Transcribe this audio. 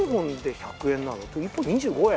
１本２５円？